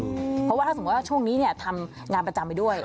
เพราะว่าถ้าสมมุติว่าช่วงนี้ทำงานประจำไปด้วย